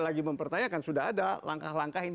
lagi mempertanyakan sudah ada langkah langkahnya